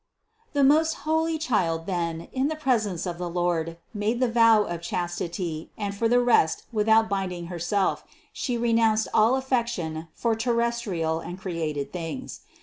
434. The most holy Child then, in the presence of the Lord, made the vow of chastity and as for the rest with out binding Herself, She renounced all affection for ter restrial and created things.